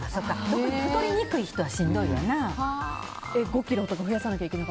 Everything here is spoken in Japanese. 特に太りにくい人はしんどいわな。